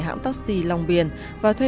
hãng taxi long biên và thuê